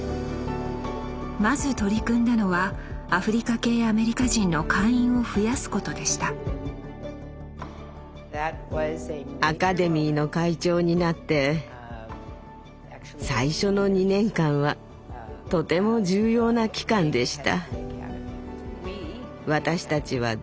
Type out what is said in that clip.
まず取り組んだのはアフリカ系アメリカ人の会員を増やすことでしたアカデミーの会長になって最初の２年間はとても重要な期間でした。